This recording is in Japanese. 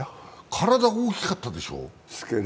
体、大きかったでしょう？